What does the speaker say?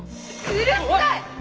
「うるさい！」